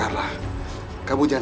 apa kau mau cantik